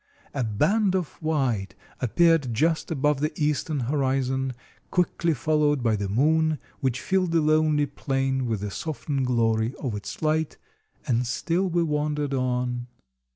A band of white appeared just above the eastern horizon, quickly followed by the moon, which filled the lonely plain with the softened glory of its light, and still we wandered on.